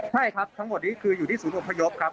ใช่ครับทั้งหมดนี้คืออยู่ที่ศูนย์อพยพครับ